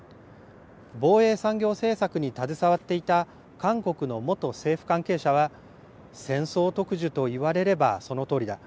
防衛産業政策に携わっていた韓国の元政府関係者は、戦争特需と言われればそのとおりだ。